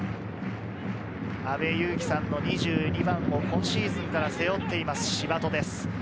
阿部勇樹さんの２２番を今シーズンから背負っています、柴戸です。